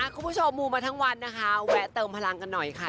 คุณผู้ชมมูมาทั้งวันนะคะแวะเติมพลังกันหน่อยค่ะ